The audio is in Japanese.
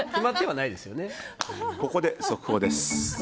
ここで速報です。